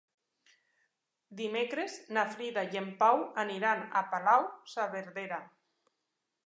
Dimecres na Frida i en Pau aniran a Palau-saverdera.